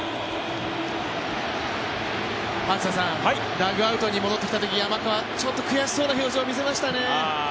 ダグアウトに戻ってきたときちょっと悔しそうな表情に見えましたね。